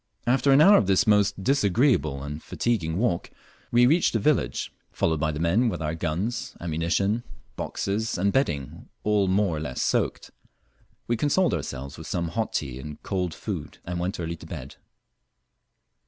After au hour of this most disagreeable and fatiguing walk we reached the village, followed by the men with our guns, ammunition, boxes, and bedding all more or less soaked. We consoled ourselves with some hot tea and cold fowl, and went early to bed.